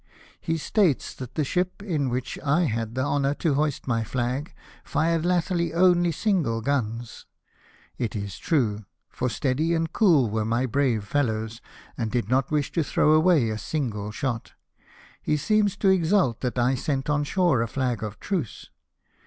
He states that the ship in which I had the honour to hoist my flag, fired latterly only single guns. It is true, for steady and cool were my brave fellows, and did not wish to throw away a single shot. He seems to exult that I sent on shore a flag of truce.